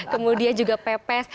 kemudian juga pepes